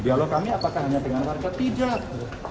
dialog kami apakah hanya dengan warga tidak